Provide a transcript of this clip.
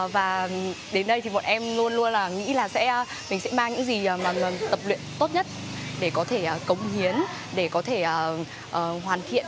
và đến đây thì bọn em luôn luôn là nghĩ là mình sẽ mang những gì mà tập luyện tốt nhất để có thể cống hiến để có thể hoàn thiện